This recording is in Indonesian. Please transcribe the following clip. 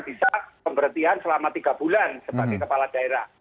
bisa pemberhentian selama tiga bulan sebagai kepala daerah